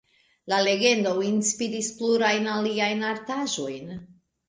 La legendo inspiris plurajn aliajn artaĵojn.